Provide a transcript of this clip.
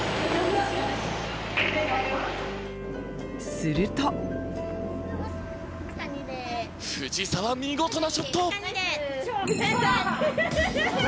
すると藤澤見事なショット！